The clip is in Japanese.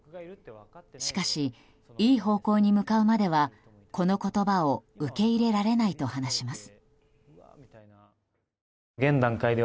しかし、いい方向に向かうまではこの言葉を受け入れられないと話します。